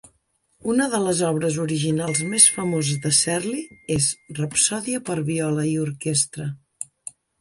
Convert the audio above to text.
Una de les obres originals més famoses de Serly és "Rapsòdia per a viola i orquestra".